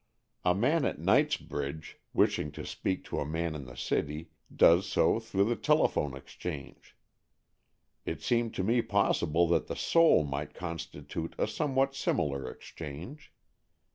A man at Knightsbridge, wishing to speak to a man in the City, does so through the Telephone Exchange. It seemed to me possible that the soul might constitute a somewhat similar exchange.